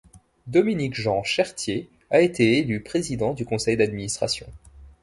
Dominique-Jean Chertier a été élu président du conseil d'administration.